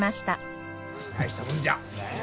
大したもんじゃ。